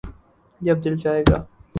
جب دل چاھے گا